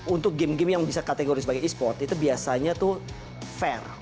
untuk game game yang bisa kategori sebagai e sport itu biasanya tuh fair